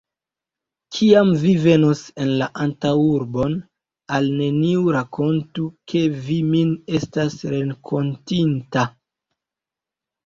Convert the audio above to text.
Kiam vi venos en la antaŭurbon, al neniu rakontu, ke vi min estas renkontinta.